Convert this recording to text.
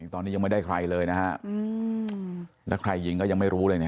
ตอนนี้ยังไม่ได้ใครเลยนะฮะแล้วใครยิงก็ยังไม่รู้เลย